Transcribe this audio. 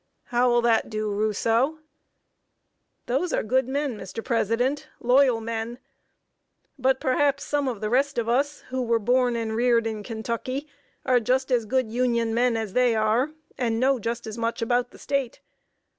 "How will that do, Rousseau?" "Those are good men, Mr. President, loyal men; but perhaps some of the rest of us, who were born and reared in Kentucky, are just as good Union men as they are, and know just as much about the State.